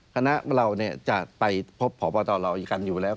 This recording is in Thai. คณะเราเนี่ยจะไปพบผอบอตราเราอยู่แล้ว